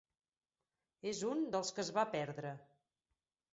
És un dels que es va perdre.